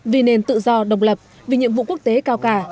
vì nền tự do độc lập vì nhiệm vụ quốc tế cao cả